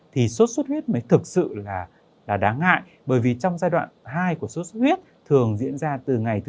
thì sốt xuất huyết mới thực sự là đáng ngại bởi vì trong giai đoạn hai của sốt xuất huyết thường diễn ra từ ngày chín tháng